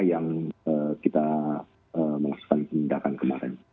yang kita menghasilkan pindahkan kemarin